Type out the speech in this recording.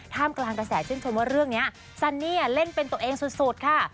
กลางกระแสชื่นชมว่าเรื่องนี้ซันนี่เล่นเป็นตัวเองสุดค่ะ